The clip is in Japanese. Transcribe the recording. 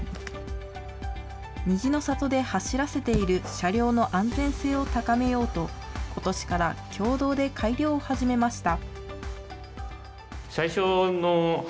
虹の郷で走らせている車両の安全性を高めようと、ことしから共同で改良を始めました。